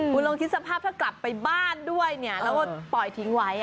คุณลองคิดสภาพถ้ากลับไปบ้านด้วยเนี่ยแล้วก็ปล่อยทิ้งไว้